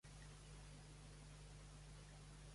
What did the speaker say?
I don Gaspar com se sent davant d'això?